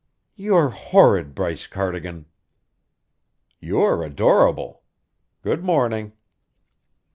"You're horrid, Bryce Cardigan." "You're adorable. Good morning."